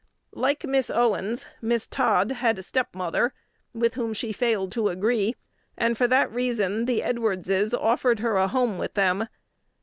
Like Miss Owens, Miss Todd had a stepmother, with whom she failed to "agree," and for that reason the Edwardses offered her a home with them.